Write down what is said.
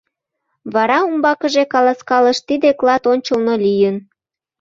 Вара умбакыже каласкалыш: «Тиде клат ончылно лийын.